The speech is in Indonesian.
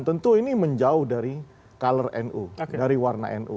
tentu ini menjauh dari color nu dari warna nu